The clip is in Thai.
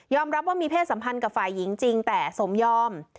รับว่ามีเพศสัมพันธ์กับฝ่ายหญิงจริงแต่สมยอม